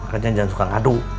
makanya jangan suka ngadu